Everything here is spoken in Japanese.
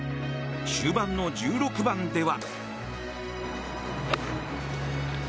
終盤の１６番では。